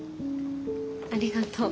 ありがとう。